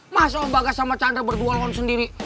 masa om bagas sama chandra berdua loh sendiri